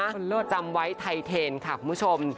คุณเลิศจำไว้ไทเทนค่ะคุณผู้ชม